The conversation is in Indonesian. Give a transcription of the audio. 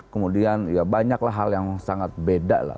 kemudian ya banyaklah hal yang sangat beda lah